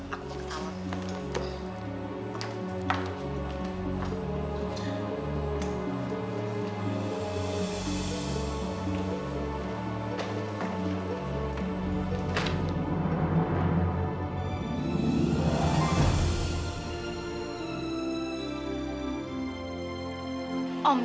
aku mau ke taman